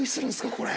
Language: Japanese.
これ。